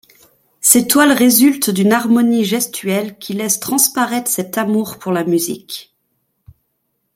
Ses toiles résultent d'une harmonie gestuelle qui laisse transparaître cet amour pour la musique.